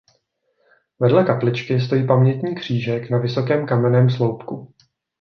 Vedle kapličky stojí pamětní křížek na vysokém kamenném sloupku.